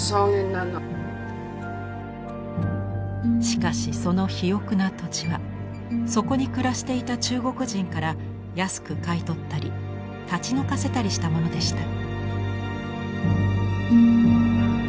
しかしその肥沃な土地はそこに暮らしていた中国人から安く買い取ったり立ち退かせたりしたものでした。